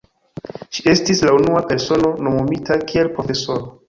Ŝi estis la unua persono nomumita kiel profesoro.